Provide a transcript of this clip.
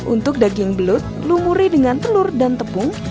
untuk daging belut lumuri dengan telur dan tepung